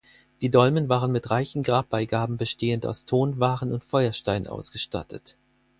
Die Dolmen waren mit reichen Grabbeigaben bestehend aus Tonwaren und Feuerstein ausgestattet.